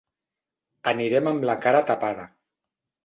Anirem amb la cara tapada.